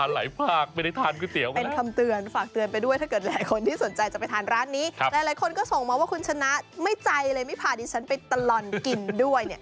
หลายคนก็ส่งมาว่าคุณชนะไม่ใจเลยไม่พาดิฉันไปตล่อนกินด้วย